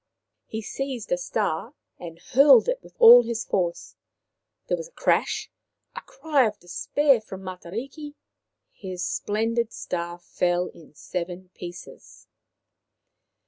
He seized a star and hurled it with all his force. There was a crash, a cry of despair from Matariki. His splendid star fell in seven pieces.